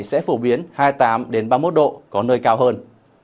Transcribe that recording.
sẽ phổ biến hai mươi tám ba mươi một độ có nơi cao hơn